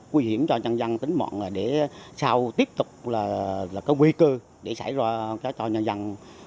nguy hiểm cho nhân dân tính mạng để sau tiếp tục là có nguy cơ để xảy ra cho nhân dân